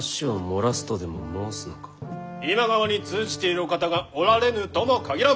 今川に通じているお方がおられぬとも限らん！